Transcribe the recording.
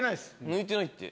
抜いてないって。